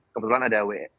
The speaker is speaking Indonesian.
kebetulan ada yang berkata